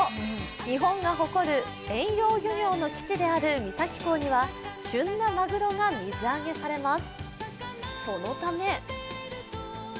日本が誇る遠洋漁業の基地である三崎港には旬なマグロが水揚げされます。